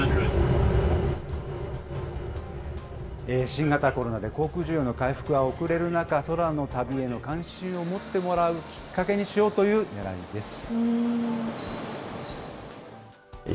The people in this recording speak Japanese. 新型コロナで航空需要の回復が遅れる中、空の旅への関心を持ってもらうきっかけにしようというねらいです。